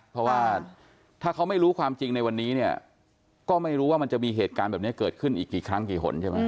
เพราะว่าถ้าเขาไม่รู้ความจริงในวันนี้เนี่ยก็ไม่รู้ว่ามันจะมีเหตุการณ์แบบนี้เกิดขึ้นอีกกี่ครั้งกี่หนใช่ไหม